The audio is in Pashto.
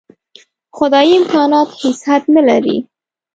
خدايي امکانات هېڅ حد نه لري.